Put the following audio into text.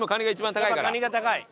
カニが高い？